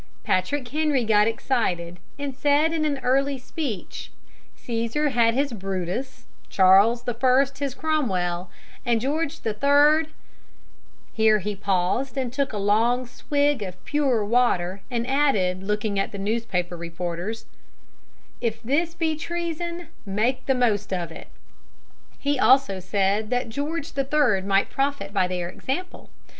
Patrick Henry got excited, and said in an early speech, "Cæsar had his Brutus, Charles the First his Cromwell, and George the Third " Here he paused and took a long swig of pure water, and added, looking at the newspaper reporters, "If this be treason, make the most of it." He also said that George the Third might profit by their example.